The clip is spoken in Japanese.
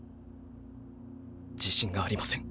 自信がありません。